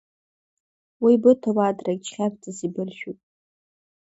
Уи быҭауадрагь чхьарԥҵас ибыршәып!